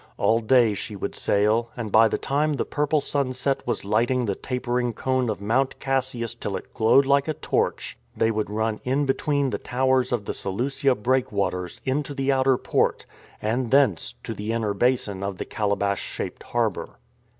All day she would sail, and by the time the purple sunset was lighting the tapering cone of Mount Cassius till it glowed like a torch, they would THE QUEEN OF THE EAST 101 run in between the towers of the Seleucia breakwaters into the outer port, and thence to the inner basin of the calabash shaped harbour.